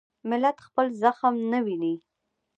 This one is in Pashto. ملت خپل زخم نه ویني.